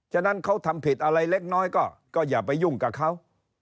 ฉะนั้นเขาทำผิดอะไรเล็กน้อยก็อย่าไปยุ่งกับเขา